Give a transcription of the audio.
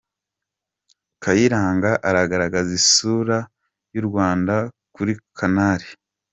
Kayiranga aragaragaza isura y’u Rwanda kuri canari